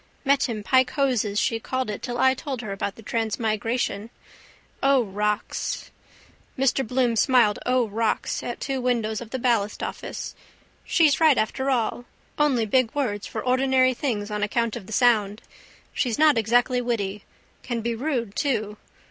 Met him pike hoses she called it till I told her about the transmigration. O rocks! Mr Bloom smiled O rocks at two windows of the ballastoffice. She's right after all. Only big words for ordinary things on account of the sound. She's not exactly witty. Can be rude too.